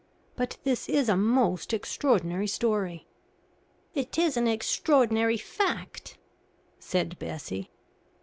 But this is a most extraordinary story." "It is an extraordinary fact," said Bessie.